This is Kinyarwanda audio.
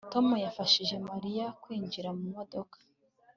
Tom yafashije Mariya kwinjira mu modoka